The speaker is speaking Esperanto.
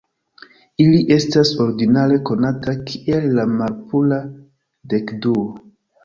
Ili estas ordinare konata kiel la malpura dekduo,